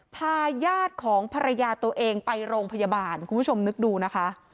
พาญาติของภรรยาตัวเองไปโรงพยาบาลคุณผู้ชมนึกดูนะคะ